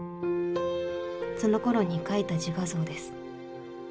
そのころに描いた自画像です。